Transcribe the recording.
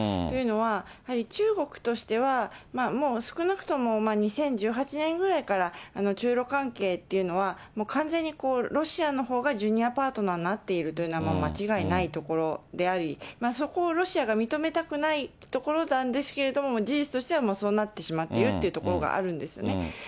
というのは、やはり中国としては、もう少なくとも２０１８年ぐらいから、中ロ関係っていうのは、もう完全にロシアのほうがジュニアパートナーになっているというのは、間違いないところであり、そこをロシアが認めたくないところなんですけれども、事実としてはそうなってしまっているというところがあるんですね。